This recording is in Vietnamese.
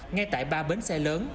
ngay tại ba bến xe lớn